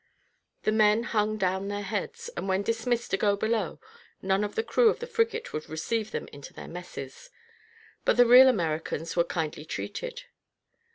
The men hung down their heads, and when dismissed to go below, none of the crew of the frigate would receive them into their messes; but the real Americans were kindly treated.